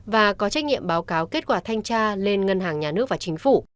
và có trách nhiệm báo cáo kết quả thanh tra lên ngân hàng nhà nước và chính phủ